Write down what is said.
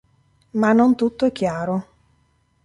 Ma non tutto è chiaro.